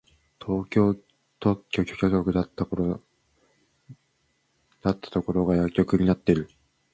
東京特許許可局だったところ薬局になってる！